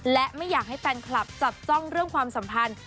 และไม่อยากให้แฟนคลับจับจ้องเรื่องความสัมพันธ์